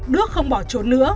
đức không bỏ trốn nữa